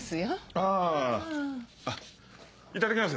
あいただきます。